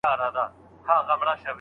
حالات خراب دي مځکه ښورې مه ځه